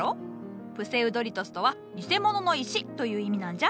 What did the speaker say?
プセウドリトスとは「偽物の石」という意味なんじゃ。